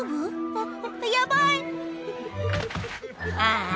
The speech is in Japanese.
あっやばいああ